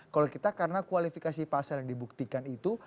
kalau kita karena kualifikasi pasal yang dibuktikan itu